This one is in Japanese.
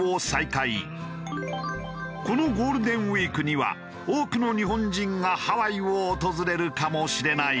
このゴールデンウィークには多くの日本人がハワイを訪れるかもしれない。